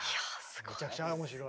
めちゃくちゃ面白い。